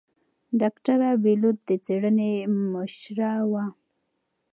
ډاکتره بېلوت د څېړنې مشرې وه.